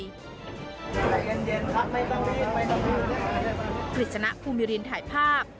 ฤทธิ์ชนะภูมิรินทร์ถ่ายภาพ